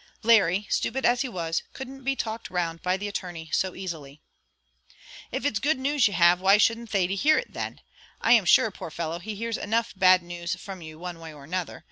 Larry, stupid as he was, couldn't be talked round by the attorney so easily. "If it's good news you have, why shouldn't Thady hear it then? I am sure, poor fellow, he hears enough of bad news from you one way or another.